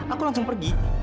aku langsung pergi